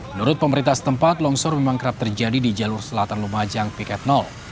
menurut pemerintah setempat longsor memang kerap terjadi di jalur selatan lumajang piket nol